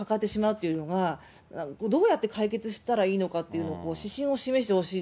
というのがどうやって解決したらいいのかっていうのの指針を示し